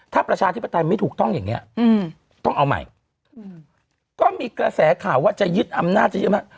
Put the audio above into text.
ถ้าประชาธิปไตยไม่ถูกต้องอย่างนี้ต้องเอาใหม่ก็มีกระแสข่าวว่าจะยึดอำนาจจะเยอะมาก